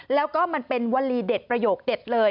แล้วก็มันเป็นวลีเด็ดประโยคเด็ดเลย